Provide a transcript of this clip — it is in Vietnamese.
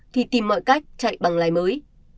thì tìm mọi cách chạy bằng lái mới